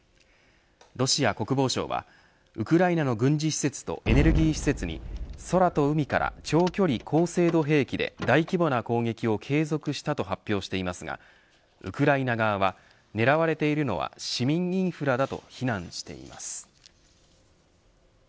ロシア国防省はウクライナの軍事施設とエネルギー施設に空と海から長距離高精度兵器で大規模な攻撃を継続したと発表していますがウクライナ側は狙われているのは市民インフラだと非難しています。